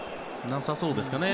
なさそうですかね。